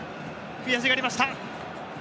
悔しがりました。